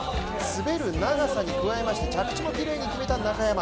滑る長さに加えまして着地もきれいに決めた中山。